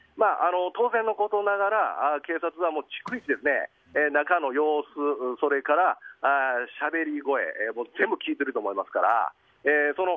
当然のことながら警察は逐一、中の様子それからしゃべり声全部聞いてると思いますから。